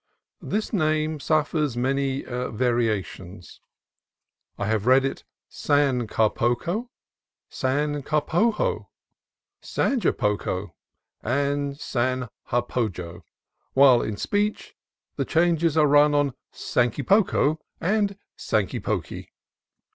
(This name suffers many variations. I have read it "San Carpoco," "San Carpojo," "Zanjapoco," and "Zanjapojo," while in speech the changes are rung on " Sankypoko " and "Sankypoky."